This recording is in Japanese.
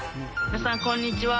皆さんこんにちは。